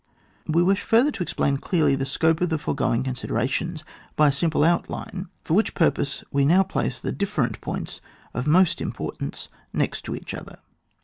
We wish further to explain clearly the scope of the foregoing considerations by a simple outline, for which purpose we now place the different points of most importance next to each other.